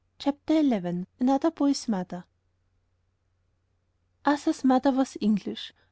CHAPTER XI ANOTHER BOY'S MOTHER Arthur's mother was English.